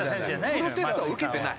プロテストは受けてない。